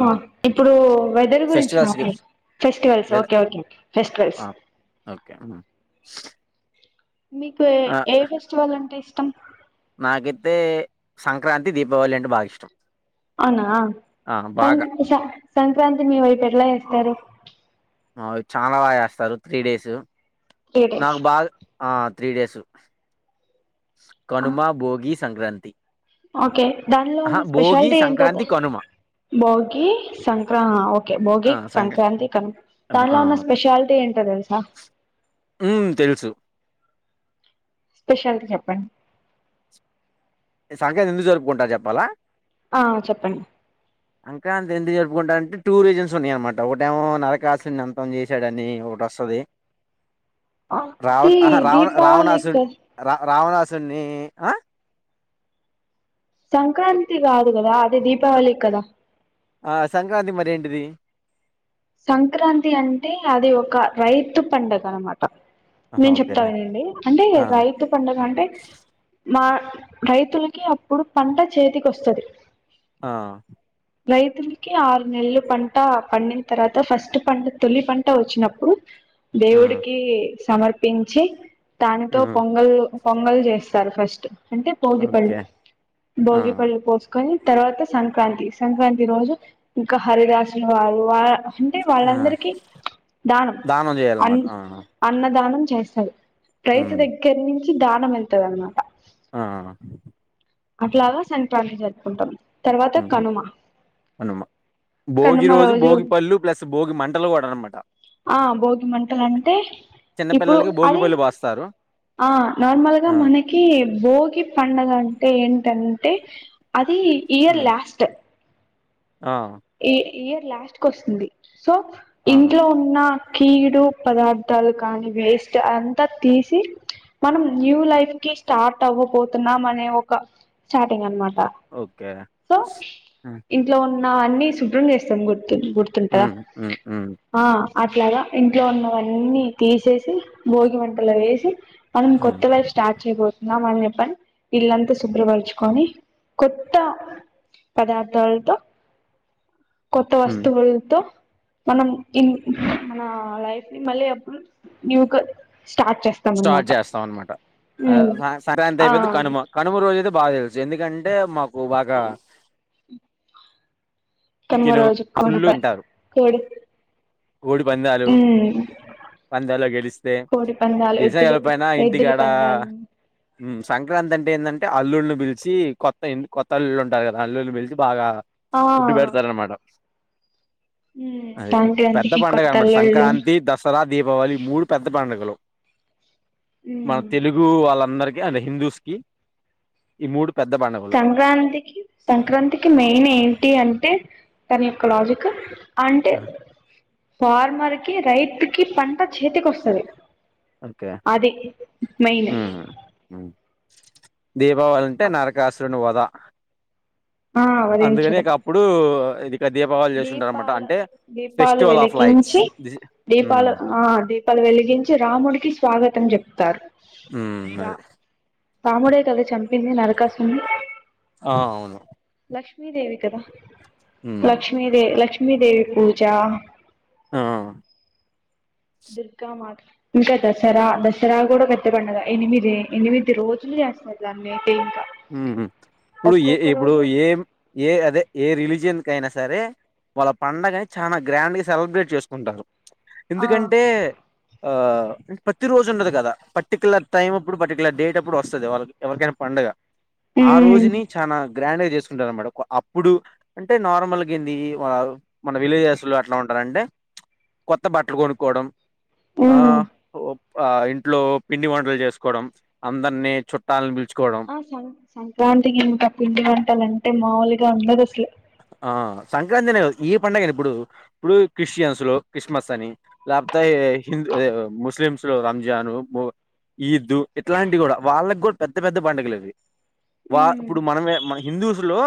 హ్మ్. ఇప్పుడు వెదర్ గురించి మాట్లాడు ఫెస్టివల్స్ వెద ఓకే ఓకే ఫెస్టివల్స్ ఆ! ఓకే మీకు ఆ! ఏ ఫెస్టివల్ అంటే ఇష్టం నాకైతే సంక్రాంతి దీపావళి అంటే బాగా ఇష్టం అవునా ఆ! సంక్రాంతిని మీ వైపు ఎట్లా చేస్తారు చాలా బాగా చేస్తారు త్రీ డేస్ త్రీ డేస్ నాకు బాగా ఆ three days Kanuma Bhogi Sankranti okay దానిలో అహా! ఉన్న భోగి, స్పెషాలిటీ సంక్రాంతి, కనుమ. ఏంటండి ఓకే భోగి ఆ! సంక్రా సంక్రాంతి కనుమ హ్మ్. ఆ! దాంట్లో ఉన్న స్పెషాలిటీ ఏంటి తెలుసా మ్మ్ తెలుసు స్పెషలిటి చెప్పండి సంక్రాంతి ఎందుకు జరుపుకుంటారో చెప్పాలా ఆ చెప్పండి చెప్పాలంటే టూ రీసన్స్ ఉన్నాయన్నమాట ఒకటేమో నరకాసురున్ని అంతం చేసాడని ఒకటి వస్తుంది అది రవాణా దీపావళి సురున్ని సన్నే ఆ సంక్రాంతి కాదు కదా అది దీపావళి కి కదా ఆ! సంక్రాంతి మరేంటిది? సంక్రాంతి అంటే అది ఒక రైతు పండుగ అనమాట ఆహా! నేను ఓకే. చెప్తా ఆగండి అంటే ఆ! రైతు పండుగ అది రైతులకి అప్పుడు పంట చేతికి వస్తది ఆ రైతులకి ఆరు నెలల పంట పండిందని తర్వాత ఫస్ట్ పంట తొలి పంట వచ్చినప్పుడు ఆ! దేవుడికి సమర్పించి దానితో హ్మ్. పొంగల్ పొంగల్ చేస్తారు ఫస్ట్ అంటే భోగిపళ్ళు ఓకే. ఆ! భోగిపళ్ళు పోసుకొని తర్వాత సంక్రాంతి సంక్రాంతి రోజు ఇంకా హరిదాసులు వారు అంటే ఆ! వాళ్ళందరికి దానం జేయాలన్నమాట. ఆ! అన్నదానం చేస్తారు రైతు హ్మ్. దగ్గర నుంచి దానం వెళ్తది అన్నమాట ఆ అట్లాగా సంక్రాంతి జరుపుకుంటాం తర్వాత కనుమ మ్మ్ భోగి రోజు భోగి పళ్ళు ప్లస్ భోగి మంటలు కూడా అన్నమాట ఆ భోగి మంటలు అంటే చిన్న ఇప్పుడు పిల్లలకి భోగి అది పళ్ళు బోస్తారు. ఆ నార్మల్గా ఆ! మనకి భోగి పండగ అంటే అది ఇయర్ హ్మ్. లాస్ట్ ఆ ఈ ఇయర్ లాస్ట్ కు వస్తుంది సో ఆ! ఇంట్లో ఉన్న కీడు పదార్థాలు కానీ వేస్ట్ అంతా తీసి మనం న్యూ లైఫ్ కి స్టార్ట్ అవ్వబొతున్నాం అనే ఒక స్టార్టింగ్ అన్న మాట ఓకే. సో హ్మ్. ఇంట్లో ఉన్న అన్ని శుభ్రం చేస్తాం గుర్తుంటదా హ్మ్. హ్మ్. హ్మ్. అట్లాగా ఇంట్లో ఉన్నవన్నీ తీసేసి భోగి మంటలో వేసి మనం హ్మ్. కొత్త గా స్టార్ట్ చేయబోతున్నాం అని చెప్తూ ఇళ్ళంతా శుభ్రపరచుకొని కొత్త పదార్థాలతో కొత్త హ్మ్. వస్తువులతో మనం మన లైఫ్ ని మళ్ళీ న్యూ గా స్టార్ట్ చేస్తాం అనమాట సరే అంతా ఆ అయిపోయిద్ది కనుమ కనుమ రోజు అయితే బాగా తెలుసు ఎందుకంటే మాకు బాగా కనుమ చికెన్ రోజు కోడి ఫుల్లు ప తింటారు కోడి కోడి పందాలు ఉమ్ పందాల్లో గెలిస్తే కోడి పందాలు గెలిచిన ఎద్దులు గెలవకపోయినా ఎద్దులు ఇంటికాడ పందాలు మ్ సంక్రాంతి అంటే ఏందంటే టే అల్లుల్ని పిలిచి కొత్త కొత్త అల్లులు ఉంటారు కదా అల్లుని పిలిచి బాగా ఆ ఫుడ్ పె మట ఉమ్ అదే పెద్ద సంక్రాంతికి పండుగ కొత్త అన్నమాట అల్లుళ్ళు సంక్రాంతి దసరా దీపావళి మూడు పెద్ద పండుగలు మన ఉమ్ తెలుగు వాళ్ళందరికి అంటే హిందూస్కి ఈ మూడు పెద్ద పండుగలు సంక్రాంతికి సంక్రాంతికి మెయిన్ ఏంటి అంటే తన యొక్క లాజిక్కు అంటే ఆ, ఫార్మర్ కి రైతుకిి పంట చేతికి వస్తుంది ఓకే అదే మెయిన్ ఉమ్, ఉమ్. దీపావళి అంటే అప్ నరకాసురుని వోద ఆ వధించడం అందుకనిక అప్పుడు ఇది ఇక దీపావళి చేసుకుంటారు అనమాట దీపాల అంటే దీపాలు ఫెస్టివల్ ఆఫ్ లైట్స్ వెలికించి మ్మ్ దీపాలు ఆ దీపాలు వెలిగించి రాముడికి స్వాగతం చెప్తారు ఉ అదే పాముడే కద చంపింది నరకాసున్న ఆ అవును లక్ష్మీదేవి కదా హ్మ్. లక్ష్మీదేవి లక్ష్మీదేవి పూజ ఆ దుర్గామాత ఇంకా దసరా దసరా కూడా పెద్ద పండగ ఎనిమిది ఎనిమిది రోజులు చేస జని మ్ ఉ ఇప్పుడు ఏ ఇప్పుడు రోజు ఏ ఏ అదే ఏ రిలీజియన్ అయినా సరే వాళ్ళ పండగ చాలా గ్రాండ్ గా సెలబ్రేట్ చేసుకుంటారు ఆ ఎందుకంటే ఆ ప్రతి రోజు ఉండదు కదా పర్టికలర్ టైమ్ అప్పుడు పర్టికులర్ డేట్ అప్పుడు వస్తుంది వాళ్ళకి ఎవరికైనా పండుగ ఆ ఉమ్ రోజుని చానా గ్రాండ్ గా చేసుకుంటారు అన్నమాట అప్పుడు అంటే నార్మల్గా ఏంది మన విలేజెస్ లో అట్లా ఉంట అండి కొత్త బట్టలు కొనుక్కోవడం ఆ ఉమ్ ఆ ఇంట్లో పిండి వంటలు చేసుకోవడం అందరిని చుట్టాలను పిలుచుకో ఆ సం సంక్రాంతికి ఇంత పిండి వటలంటే మాముూలుగా ఉండదు అసలు ఆ సంక్రాంతి అనే కా ఈ పడుగ అని ఇప్పుడు ఇప్పుడు క్రిస్టియన్స్ లో క్రిస్మస్ అని లేకపోతే హిందూ ఎ ముస్లిమ్స్ లో రంజాన్ ఈద్దు ఇట్లాంటి కూడా వాళ్ళకి కూడా పెద్ద పెద్ద పడుగలు ఇవి వా ఇప్పుడు మనమే మన హిందూస్ లో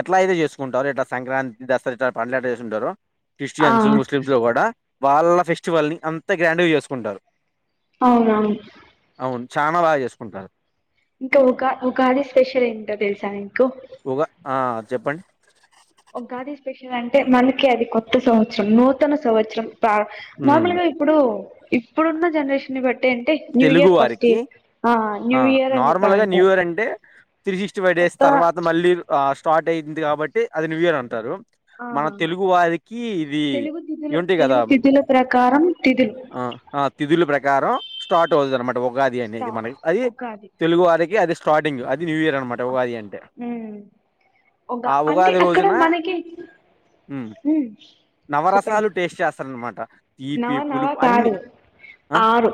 ఎట్లా అయితే చేస్తు టారు ఇట్లా సంక్రాంతి దసరా ఇట్లా పండగలు ఎట్లా చేస్తుంటారు ఆ క్రిస్టియన్స్ ముస్లింస్ లో కూడా వాళ్ళ ఫెస్టివల్ని అంత గ్రాండ్గా చేసుకుంటారు అవునువును చానా బాగా చేసుకుంటారు ఇంకా ఉగా ఉగాది స్పెషల్ ఏంటో తెలుసా మీకు ఉగా ఆ చెప్పండి ఉగాది స్పెషల్ అంటే మనకి అది కొత్త సంవత్సరం నూతన సంవత్సరం ఉమ్. నార్మల్గా ఇప్పుడు ఇప్పుడున్న జనరేషన్ ని బట్టి అంటే న్యూ తెలుగు ఇయర్ ఫస్ట్ వారికి ఆ న్యూ ఇయర్ అని నార్మల్ చెప్పని గా న్యూ అంటారు ఇయర్ అంటే త్రీ సిక్స్టీ ఫైవ్ డేస్ కొత్త తర్వాత మళ్ళీ స్టార్ట్ అయింది కాబట్టి అది న్యూ ఇయర్ అంటారు ఆ మన తెలుగు వారికి ఇది తెలుగు తిథులు ఇయ్యుంటాయి కదా తెలుగు తిథుల ప్రకారం తిథులు ఆ ఆ తిథుల ప్రకారం స్టార్ట్ అవుతుది అన్నమాట ఉగాది స్టా అనేది మనకి అది ఉగాది తెలుగు వారికి అది స్టార్టింగ్ అది న్యూ ఇయర్ అనమాట ఉగాది అంటే ఒక ఆ అంటే ఉగాది అక్కడ రోజున మనకి ఉమ్ నవరసాలు టేస్ట్ చేస్తారన్నమాట నవా నవా కాదు ఆ ఆరు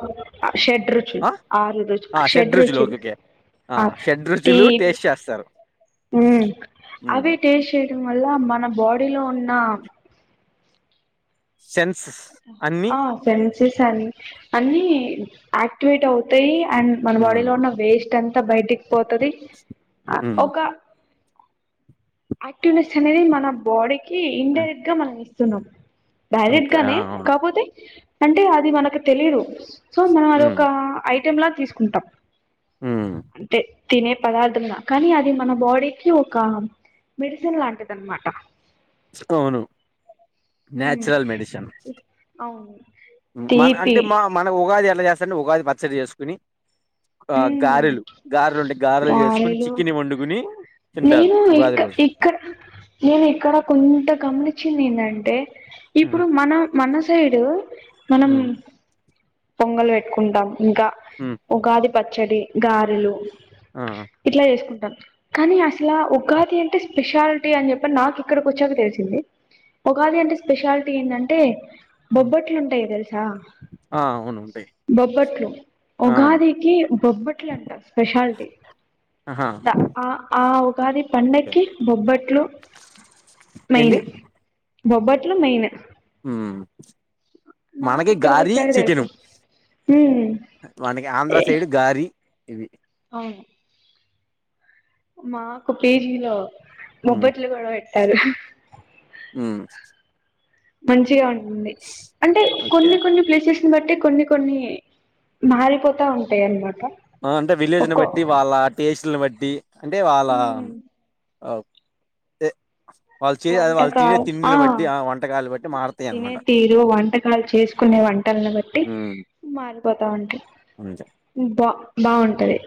షెడ్ రుచులు ఆ ఆరు రుచి ఆ షెడ్ షడ్ రుచులు ఓకేకే ఆ షడ్ రుచులు టేస్ట్ చేస్తారు ఉ ఉమ్ అవి టేస్ట్ చేయడం వల్ల మన బాడీలో ఉన్న సెన్సెస్ అన్ని ఆ సరే అ ఆక్టివేట్ అవుతాయి అండ్ మన ఉమ్ బాడీలో ఉన్న వేస్ట్ అ బయటికి పోతది ఆ ఉమ్ ఒక ఆక్టివ్నెస్ అనేది మన బాడీకి ఇన్ ఆ డైరెక్ట్ గా మనం ఇస్తున్నాం డైరెక్ట్ ఓకే. ఆ! గానే అవును. కాపోతే అంటే అది మనకు తెలియదు సో మనం అదొ హ్మ్. ఒక ఐటెం లా తీసుకుంటాం ఆ అంటే తినే పదార్థంద కానీ అది మన బాడీకి ఒక మెడిసిన్ లాంటిది అనమాట అవును ఉమ్ న్యాచురల్ మెడిసిన్ అవును మన తీపి అంటే మ మన ఉగాది ఎలా చేస్తారంటే ఉగాది పచ్చడి చేసుకుని ఆ ఉమ్ గారెలు గారెలు అంటే గారెలు చేసుకుని చిక్కిని వండుకుని తింటారు నేను ఉగాది ఇక్క రోజు ఇక్కడ నేను ఇక్కడ కొంత గమనించింది న అంటే హ్మ్. ఇప్పుడు మన మన సైడు మనం హ్మ్. పొంగలు పెట్టుకుంటాం ఇంకా హ్మ్. ఉగాది పచ్చడి గారెలు ఆ! ఇట్లా చేసుకుంటాను కానీ అసలా ఉగాది అంటే స్పెషాలిటీ అని చెప్పి నాకు ఇక్కడికి వచ్చాక తెలిసింది ఉగాది అంటే స్పెషాలిటీ ఏంటంటే బొబ్బట్లు ఉంటాయి తెలుసా అవునుండి బొబ్బట్లు ఉగాదికి బొబ్బట్లు అంటారు స్పెషాలిటీ ఆహా! ఆ ఆ ఉగాది ఓకే. పండక్కి బొబ్బట్లు ఏంటి? మెయిన్ బొబ్బట్లు మెయిన్ నాకు మనకి ఇక్కడికి గారి వచ్చాక తెలుసు చికిని ఉమ్ మనకి ఆంధ్ర ఏ సైడ్ గారి ఇవి. అవును మాకు పిజి లో హ్మ్. బొబ్బట్లు కూడా పెట్టారు అ మంచిగా ఉంటుంది అంటే ఓకే. కొన్ని కొన్ని ప్లేసెస్ బట్టి కొన్ని కొన్ని మారిపోతా ఉంటాయి అన అంటే విలేజ్ని బట్టి వాళ్ళ టేస్ల్ని బట్టి అంటే వాళ్ళ ఉమ్, ఎ వాళ్ళు చే అది వాళ్ళు తినే వంటకాలు ఆ తిండిని బట్టి వంటకాలు బట్టి మారతాయి తినే అనమాట తీరు వంటకాలు చేసుకునేవా వంటలను బట్టి ఉమ్ మారిపోతా ఉంటా అంతే బా బాగుంటది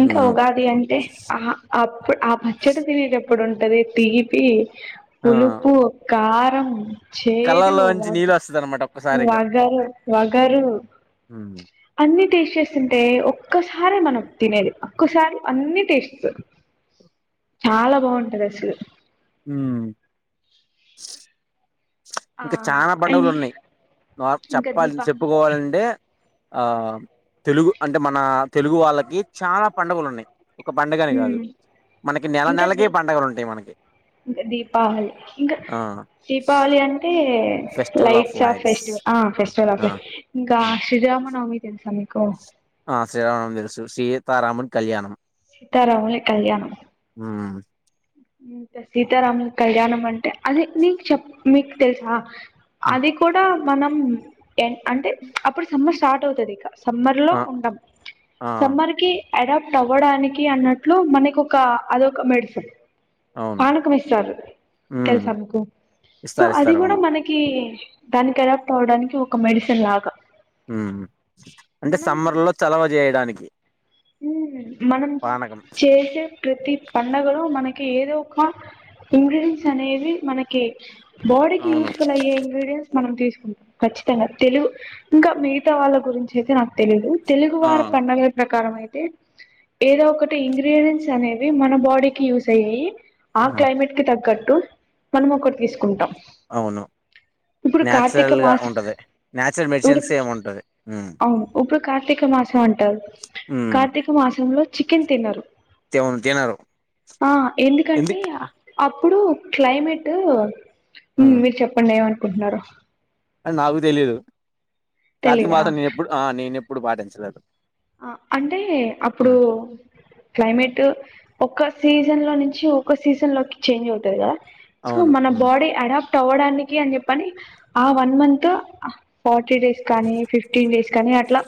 ఇంకా ఉమ్ ఉగాది అంటే ఆ అప్పుడు ఆ పచ్చడి తినే ఇప్పుడుంటది తీపి ఆ పులుపు కారం చేదు కళ్ళల్లోంచి వగ నీళ్ళు వస్తది అనమాట వగరు వగరు హ అన్ని టేస్ట్ చేస్తుంటే ఒక్కసారి మనం తినేది ఒక్కసారి అన్ని టేస్ట్ చాలా బాగుంటది అసలు ఉం ఇంకా చనా ఆ పడుగలు ఉన్నాయి నార్ ఇంకా చెప్పాలి దీపా చెప్పుకోవాలంటే ఆ తెలుగు అంటే మన తెలుగు వాళ్ళకి చానా పండగలు ఉన్నాయి ఒక పండగని కాదు ఉమ్ మనకి నెల ఇంకా నెలకి దీ పండగలు ఉంటాయి మనకి ఇంకా దీపావళి ఇంకా ఆ దీపావళి అంటే టే లైట్స్ ఆఫ్ ఫెస్టివల్ ఆ ఆ ఫెస్టివల్ ఇంకా ఉమ్, సిజ మా నవమి తెలుసా మీకు ఆ శ్రీరామనవమి తెలుసు సీతారాముల కళ్యాణం సీతారాముల కళ్యాణం ఉమ్ ఇంతే సీతారాముల కళ్యాణం అంటే అదే నీకు చెప్ మీకు తెలుసా ఉమ్, అది కూడా మనం ఎన్ అంటే అప్పుడు సమ్మర్ స్టార్ట్ అవుతది ఇక సమ్మర్ లో ఆ ఉండమ్ ఆ సమ్మర్ కి అడాప్ట్ అవ్వడానికి అన్నట్లు మనకు ఒక అదొక మెడిసిన్ అవును పాణకం ఇస్తారు ఉమ్ తెలుసా మీకు సో ఇస్తారు అది ఇస్తారు కూడా అవును మనకి దానికి అడాప్ట్ అవడానికి ఒక మెడిసిన్ లాగా మ్ అంటే మనం సమ్మర్ లో చలవ చేయడానికి మనం పానకం చేసే ప్రతి పండగలో మన కి ఏదో ఒక ఇంగ్రీడియన్స్ అనేవి మనకి బాడీకి అవును యూస్ఫుల్ అయే ఇంగ్రీడియన్స్ మనం తీసుకుంటాం ఖచ్చితంగా తెలుగు ఇంకా మిగతా వాళ్ళ గురించి అయితే నాకు తెలీదు తెలుగు ఆ వారి పండగల ప్రకారం అయితే ఏదో ఒకటి ఇంగ్రీడియంట్స్ అనేవి మన బాడీకి యూస్ అయ్యేయి ఆ క్లైమేట్ కి తగ్గట్టు మనం ఒకటి తీసుకుంటాం అవును ఇప్పుడు కార్తీక నేచురల్ గా మాస ఉంటది నేచురల్ ఇప్పుడు మెడిసిన్స్ ఏమి ఉంటది అవును ఇప్పుడు కార్తీక మాసం అంటారు ఉమ్ కార్తీక మాసంలో చికెన్ తినరు తెవును తినరు ఆ ఎందు ఎందుకంటే అపు ప్పుడు క్లైమేట్ మీరు చెప్పండి ఏమనుకుంటున్నారో అ నాకు తెలీదు కార్తీక తెలీదా మాసం నేనెప్పుడు ఆ నేనెప్పుడు పాటించలేదు ఆ అంటే ఆ అప్పుడు క్లైమేట్ ఒక్క సీజన్ లో నుంచి ఒక సీజన్ లోకి చేంజ్ అవుతది కదా సో అవును మన ఉమ్ బాడీ అడాప్ట్ అవ్వడానికి అని చెప్పని ఆ వన్ మంత్ ఫార్టీ డేస్ కానీ ఫిఫ్టీన్ డేస్ కానీ అట్లా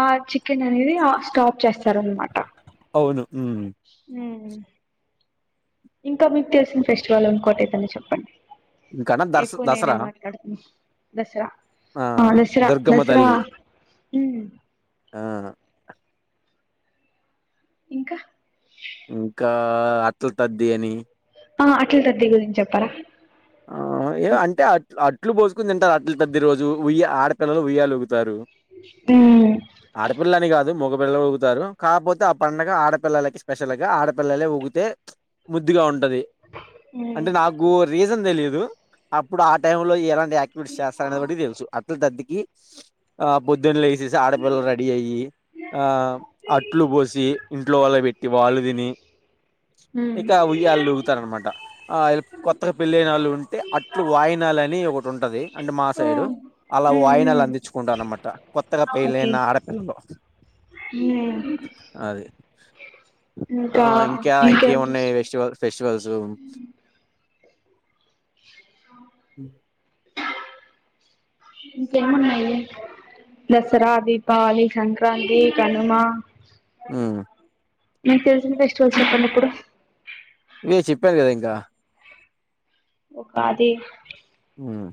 ఆ చికెన్ అనేది ఆ స్టాప్ చేస్తార అనమాట అవును ఉమ్ మ్ ఇంకా మీకు తెలిసిన ఫెస్టివల్ ఇంకోటి ఎదైన చెప్పండి ఇంకానా దర్శ ఎక్కువ నేనే దసరా మాట్లాడ్త్న దసరా ఆ దసరా దుర్గమ్మ దసరా తల్లి మ్ ఆ ఇంకా ఆ అట్లతద్ది అని ఆ అట్ల తద్ది గురింది ఆ ఏ అంటే అట్లు అ ట్లు పోసుకుని తింటారు అట్ల తద్ది రోజు ఉ ఆడపిల్లలు ఉయ్యాల ఉగుతారు మ్మ్ ఆడపిల్లని కాదు మగ పిల్లలు ఊగుతారు కాపోతే ఆ పండగ ఆడపిల్లలకి స్పెషల్ గా ఆడపిల్లలే ఊగితే ముద్దుగా ఉంటది అంటే నాకు రీజన్ తెలిదు అప్పుడు ఆ టైం లో ఎలా యాక్టివిటీస్ చేస్తారన్నది బట్టి తెలుసు అట్ల తద్ది కి ఆ పొద్దున్న లేసిసి ఆడపిల్ల రెడీ అయ్యి ఆ అట్లు పోసి ఇంట్లో వాళ్ల బెట్టి వాళ్ళు తిని ఇకా ఉయ్యాళ ఊగుతరనమాట కొత్తగా పెళ్ళయిన వాళ్ళు ఉంటే అట్లు వాయినాలు అని ఒకటి ఉంటది అంటే మా సైడు అలా వాయినాలు అందించుకుంటానన్నమాట కొత్తగా ఓకే పేయిలైన ఆడపిల్లలు ఉమ్ అది. ఆ ఇంకా ఇంకేం ఇంకేమున్నాయి వెస్టివల్స్ ఫెస్టివల్స్ [inaudible] ఉమ్ ఇంకేమున్నాయి దసరా దీపావళి సంక్రాంతి కనుమా ఉమ్ మీకు తెలిసిన ఫెస్టివల్స్ చెప్పండి ఇప్పుడు ఇవే చెప్పాను గదా ఇంకా ఒకా అది ఉమ్